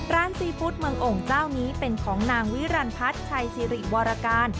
ร้านซีฟู้ดเมืององค์เจ้านี้เป็นของนางวิรันภัทรชัยสิริวรการ